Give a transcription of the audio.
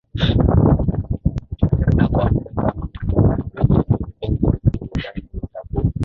na kwa muda kama majuma mawili hivi mpenzi msikilizaji nitaku